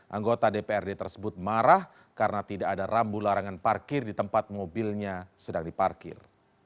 anggota dprd tersebut marah karena tidak ada rambu larangan parkir di tempat mobilnya sedang diparkir